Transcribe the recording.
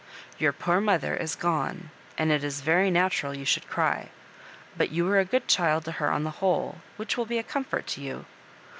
Your poor mother is gone, and it is very natui^ you should cry ; but you were a good child to her on the whole, which will be a comfort to you.